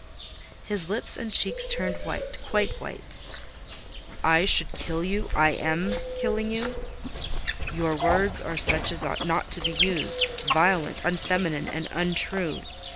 His lips and cheeks turned white—quite white. "I should kill you—I am killing you? Your words are such as ought not to be used: violent, unfeminine, and untrue.